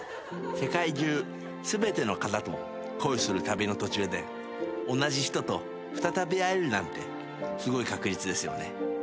世界中全ての方と恋する旅の途中で同じ人と再び会えるなんてすごい確率ですよね。